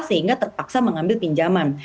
sehingga terpaksa mengambil pinjaman